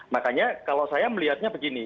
makanya kalau saya melihatnya begini